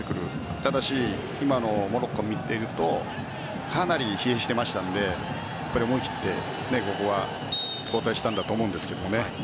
ただし今のモロッコを見ているとかなり疲弊していましたので思い切ってここは交代したんだと思うんですけどね。